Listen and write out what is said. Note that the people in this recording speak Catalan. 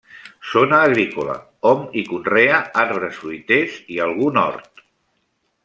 Zona agrícola, hom hi conrea arbres fruiters i algun hort.